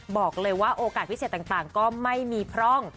บอกเลยว่าโอกาสพิเศษต่างก็ไม่มีพร่อง